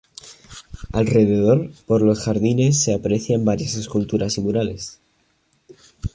Alrededor, por los jardines se aprecian varias esculturas y murales.